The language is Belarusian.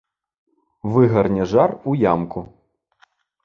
Выгарне жар у ямку.